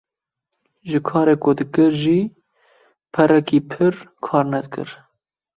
Ji karê ku dikir jî perekî pir kar nedikir